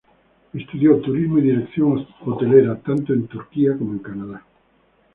Estudió Turismo y Dirección Hotelera, tanto en Turquía como en Canadá.